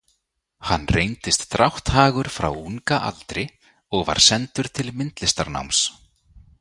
Hann reyndist drátthagur frá unga aldri og var sendur til myndlistarnáms.